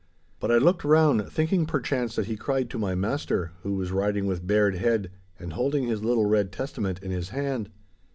But I looked round, thinking perchance that he cried to my master, who was riding with bared head and holding his little red Testament in his hand.